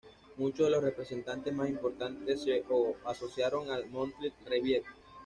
Muchos de los representantes más importantes se asociaron al Monthly Review.